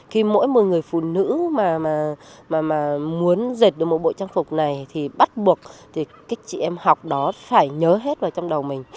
khi mỗi một người phụ nữ mà muốn dệt được một bộ trang phục này thì bắt buộc thì các chị em học đó phải nhớ hết vào trang phục này